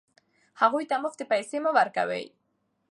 هغوی ته مفتې پیسې مه ورکوئ.